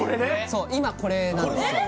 そう今これなんですよ